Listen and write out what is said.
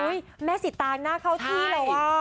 แม่สิตางน่าเข้าที่เลยว่ะ